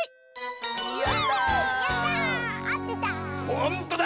ほんとだ！